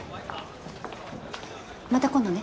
また今度ね。